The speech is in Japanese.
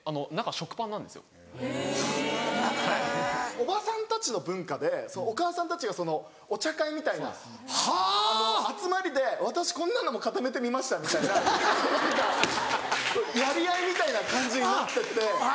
おばさんたちの文化でお母さんたちがお茶会みたいな集まりで「私こんなのも固めてみました」みたいな。やり合いみたいな感じになってって。